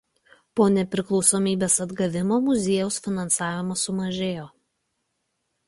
Po nepriklausomybės atgavimo muziejaus finansavimas sumažėjo.